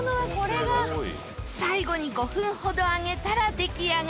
最後に５分ほど揚げたら出来上がり。